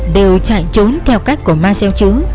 đều chạy trốn theo cách của ma xeo chứ